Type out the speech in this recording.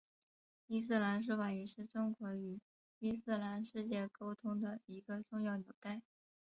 伊斯兰书法也是中国与伊斯兰世界沟通的一个重要纽带。